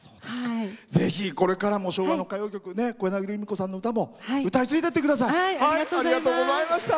ぜひこれからも昭和の歌謡曲小柳ルミ子さんの歌も歌い継いでいってください。